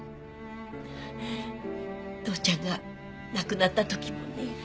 父ちゃんが亡くなった時もね。